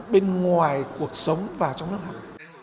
bên ngoài cuộc sống vào trong lớp học